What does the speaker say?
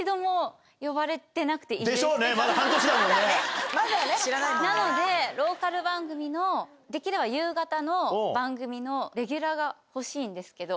でしょうね、まだ半年だもんなのでローカル番組の、できれば夕方の番組のレギュラーが欲しいんですけど。